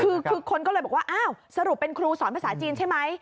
คือคนก็เลยบอกว่าอ้าวสรุปเป็นครูสอนภาษาจีนใช่ไหม